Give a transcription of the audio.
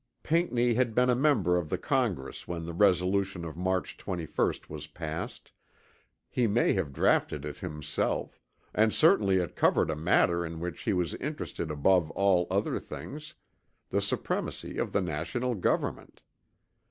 Pinckney had been a member of the Congress when the resolution of March 21st was passed; he may have draughted it himself; and certainly it covered a matter in which he was interested above all other things, the supremacy of the National Government.